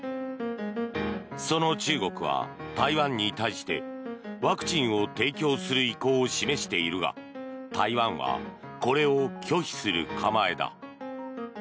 その中国は台湾に対してワクチンを提供する意向を示しているが台湾はこれを拒否する構えだ。